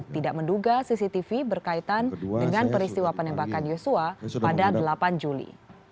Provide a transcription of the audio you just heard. tidak menduga cctv berkaitan dengan peristiwa penembakan yosua pada delapan juli